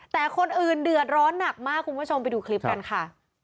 แต่คนอื่นเดือดร้อนหนักมากคุณผู้ชมไปดูคลิปกันค่ะ